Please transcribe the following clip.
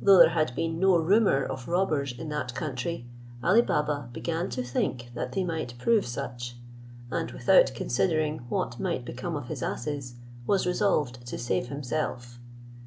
Though there had been no rumour of robbers in that country, Ali Baba began to think that they might prove such, and without considering what might become of his asses, was resolved to save himself.